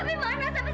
bapak tidak tahu kan